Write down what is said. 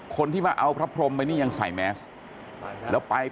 คนที่มาเอาพระพรมไปนี่ยังใส่แมสแล้วไป